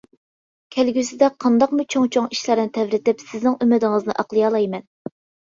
كەلگۈسىدە قانداقمۇ چوڭ-چوڭ ئىشلارنى تەۋرىتىپ سىزنىڭ ئۈمىدىڭىزنى ئاقلىيالايمەن.